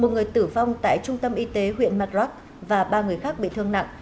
một người tử vong tại trung tâm y tế huyện madrak và ba người khác bị thương nặng